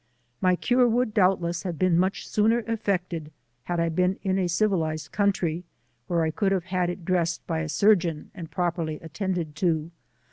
My cure would doubtless have been much sooner effected had I have been in a civilized country, where I could have had it dressed by a surgeon and properly attended to.